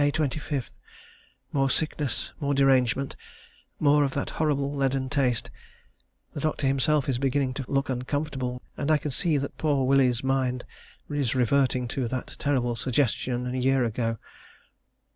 May 25. More sickness, more derangement, more of that horrible leaden taste. The doctor himself is beginning to look uncomfortable, and I can see that poor Willie's mind is reverting to that terrible suggestion a year ago.